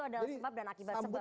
jadi sambut dengan tangan terbuka